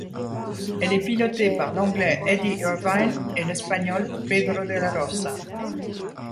Elle est pilotée par l'Anglais Eddie Irvine et l'Espagnol Pedro de la Rosa.